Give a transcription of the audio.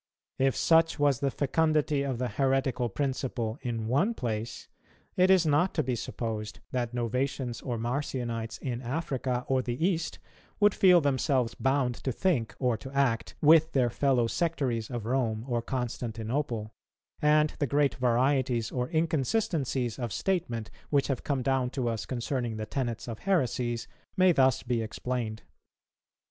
If such was the fecundity of the heretical principle in one place, it is not to be supposed that Novatians or Marcionites in Africa or the East would feel themselves bound to think or to act with their fellow sectaries of Rome or Constantinople; and the great varieties or inconsistencies of statement, which have come down to us concerning the tenets of heresies, may thus be explained.